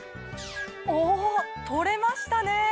お取れましたね！